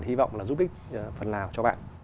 hy vọng là giúp ích phần nào cho bạn